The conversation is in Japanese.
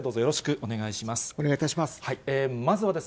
お願いいたします。